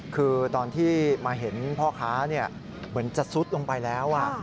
คือตอนที่มาเห็นพ่อค้าเหมือนจะซุดลงไปแล้ว